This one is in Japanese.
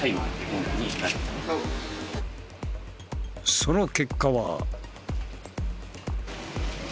その結果は。